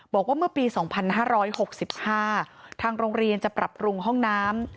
บอกว่าเมื่อปีสองพันห้าร้อยหกสิบห้าทางโรงเรียนจะปรับปรุงห้องน้ำ